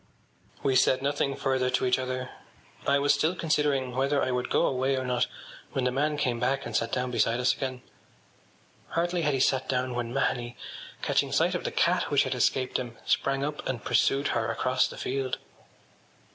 ” We said nothing further to each other. I was still considering whether I would go away or not when the man came back and sat down beside us again. Hardly had he sat down when Mahony, catching sight of the cat which had escaped him, sprang up and pursued her across the field.